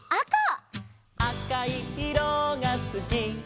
「あかいいろがすき」